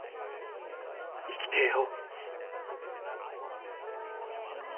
生きてえよ。